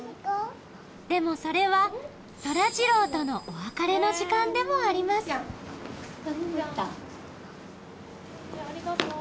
でもそれはそらジローとのお別れの時間でもありますありがとう。